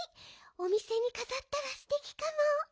おみせにかざったらすてきかも。